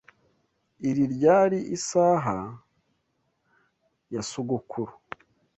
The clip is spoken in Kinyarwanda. Iri ryari isaha ya sogokuru.